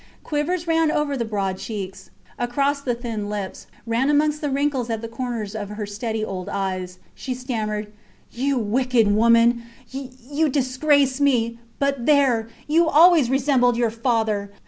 Quivers ran over the broad cheeks, across the thin lips, ran amongst the wrinkles at the corners of her steady old eyes. She stammered You wicked woman you disgrace me. But there! You always resembled your father.